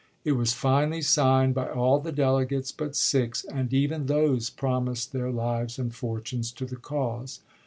It was finally signed by all the delegates but six, and even those promised their lives and fortunes to the cause.